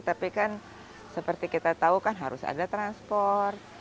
tapi kan seperti kita tahu kan harus ada transport